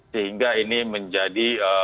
sehingga ini menjadi